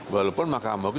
walaupun makam agung